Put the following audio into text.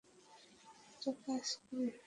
একটা কাজ করি!